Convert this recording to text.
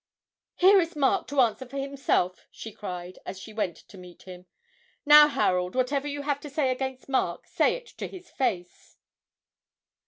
'Here is Mark to answer for himself!' she cried, as she went to meet him. 'Now, Harold, whatever you have to say against Mark, say it to his face!'